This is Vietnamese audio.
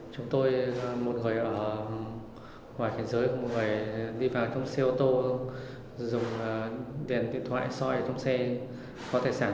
chúng tôi một người ở ngoài thế giới một người đi vào trong xe ô tô dùng tiền điện thoại soi trong xe có tài sản